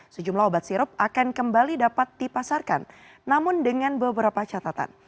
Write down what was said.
sejumlah obat sirup akan kembali dapat dipasarkan namun dengan beberapa catatan